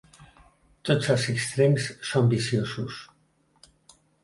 Tots els extrems són viciosos.